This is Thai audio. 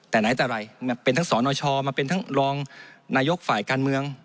แต่ไหนแต่ไรเป็นทั้งสนชมาเป็นทั้งรองนายกฝ่ายการเมือง